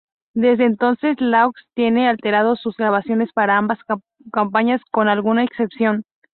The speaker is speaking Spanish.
Desde entonces Laws viene alternando sus grabaciones para ambas compañías con alguna excepción.